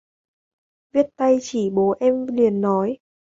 Viết tay em chỉ bố em liền nói